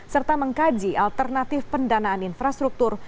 serta mengkaji alternatif pendanaan infrastruktur